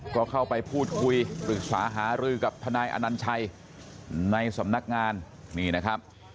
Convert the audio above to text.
ก็เข้าไปพูดคุยปรึกษาหารือกับทนายอนัญชัยในสำนักงานนี่นะครับ